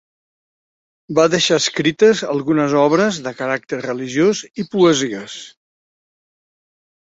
Va deixar escrites algunes obres de caràcter religiós i poesies.